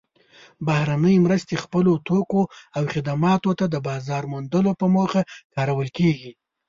بهرنۍ مرستې خپلو توکو او خدماتو ته د بازار موندلو په موخه کارول کیږي.